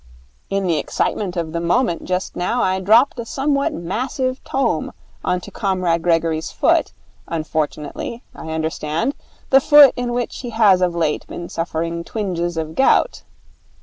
In the excitement of the moment just now I dropped a somewhat massive tome on to Comrade Gregory's foot, unfortunately, I understand, the foot in which he has of late been suffering twinges of gout.